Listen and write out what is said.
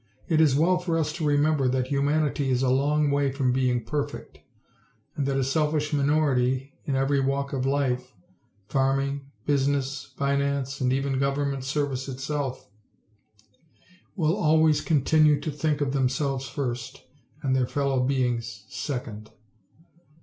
It is well for us to remember that humanity is a long way from being perfect and that a selfish minority in every walk of life farming, business, finance and even government service itself will always continue to think of themselves first and their fellow beings second.